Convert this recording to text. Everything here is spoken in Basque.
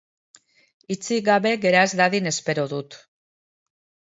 Hitzik gabe gera ez dadin espero dut.